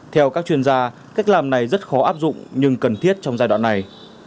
theo các chuyên gia cách làm này rất khó áp dụng nhưng cần thiết trong giai đoạn này